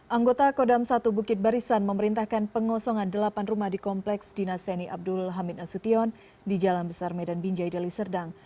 anggota kodam satu bukit barisan memerintahkan pengosongan delapan rumah di kompleks dinas seni abdul hamid asution di jalan besar medan binjai deliserdang